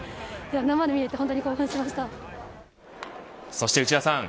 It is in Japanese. そして、内田さん